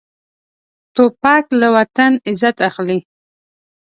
توپک له وطن عزت اخلي.